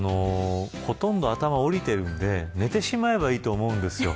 ほとんど頭降りているので寝てしまえばいいと思うんですよ。